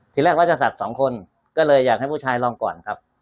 ทีแรกว่าจะสัตว์สองคนก็เลยอยากให้ผู้ชายลองก่อนครับ